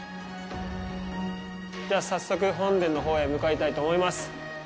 じゃあ早速、本殿のほうへ向かいたいと思います。